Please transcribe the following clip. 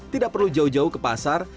tidak perlu jauh jauh ke pasar